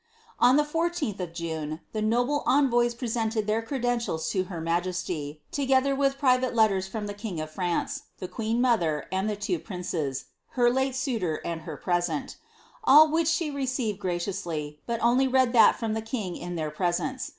On the 1 4th of June, the noble envoys presented their creclentials to her majesty, together with private letters from the king of France, the queen mother, and the two princes, her late suitor, and her present ; all ^hich she received graciously, but only read that from the king in their presence.